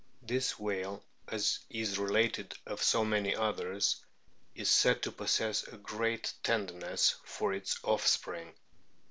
This whale, as is related of so many others, is said to possess a great tenderness for its offspring.